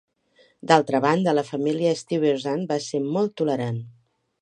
D'altra banda, la família Stuyvesant va ser molt tolerant.